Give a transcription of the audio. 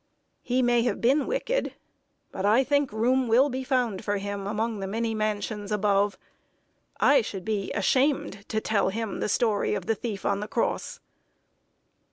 He may have been wicked; but I think room will be found for him among the many mansions above. I should be ashamed to tell him the story of the thief on the cross."